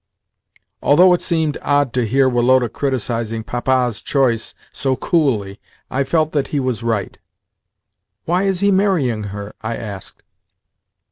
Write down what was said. Although it seemed odd to hear Woloda criticising Papa's choice so coolly, I felt that he was right. "Why is he marrying her?" I asked.